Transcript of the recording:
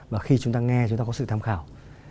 và khi chúng ta nghe chúng ta có sự tham khảo